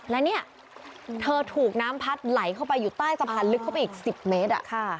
และเนี่ยเธอถูกน้ำพัดไหลเข้าไปอยู่ใต้สะพานลึกเข้าไปอีก๑๐เมตร